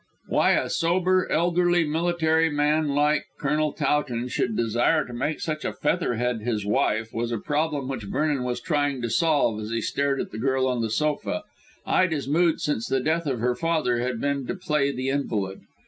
Why a sober, elderly, military man like Colonel Towton should desire to make such a featherhead his wife was a problem which Vernon was trying to solve as he stared at the girl on the sofa. Ida's mood since the death of her father had been to play the invalid.